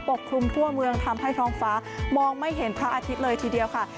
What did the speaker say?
กคลุมทั่วเมืองทำให้ท้องฟ้ามองไม่เห็นพระอาทิตย์เลยทีเดียวค่ะ